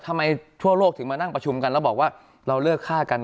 ทั่วโลกถึงมานั่งประชุมกันแล้วบอกว่าเราเลิกฆ่ากัน